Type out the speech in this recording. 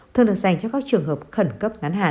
thường được dành cho các trường hợp khẩn cấp ngắn hạn